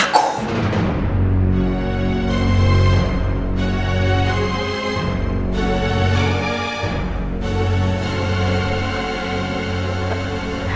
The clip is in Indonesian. aku mau ke penjara